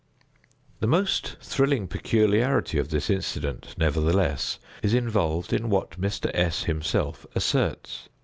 The most thrilling peculiarity of this incident, nevertheless, is involved in what Mr. S. himself asserts.